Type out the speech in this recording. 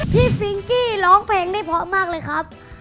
พี่ฟิงกี้ร้องเพลงได้พอมากเลยครับ